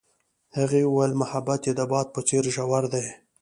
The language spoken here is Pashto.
هغې وویل محبت یې د باد په څېر ژور دی.